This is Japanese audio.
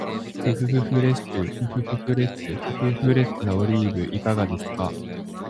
ふふふフレッシュ、ふふふフレッシュ、ふふふフレッシュなオリーブいかがですか？